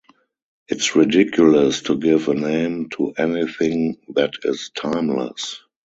It's ridiculous to give a name to anything that is timeless.